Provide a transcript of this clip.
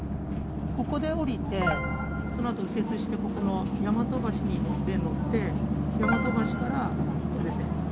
ここで降りてそのあと右折してここの大和橋で乗って大和橋からここですね。